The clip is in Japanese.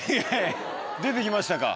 出て来ましたか。